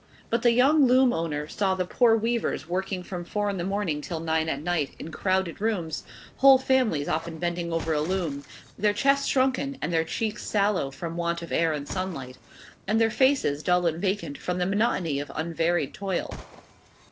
But the young loom owner saw the poor weavers working from four in the morning till nine at night, in crowded rooms, whole families often bending over a loom, their chests shrunken and their cheeks sallow from want of air and sunlight; and their faces dull and vacant from the monotony of unvaried toil.